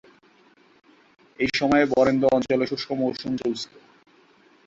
সেই সময়ে বরেন্দ্র অঞ্চলে শুষ্ক মৌসুম চলছিল।